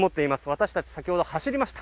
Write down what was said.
私たち、先ほど走りました。